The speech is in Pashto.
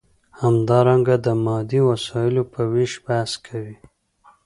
همدارنګه د مادي وسایلو په ویش بحث کوي.